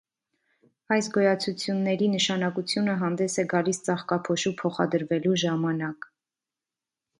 Այս գոյացությունների նշանակությունը հանդես է գալիս ծաղկափոշու փոխադրվելու ժամանակ։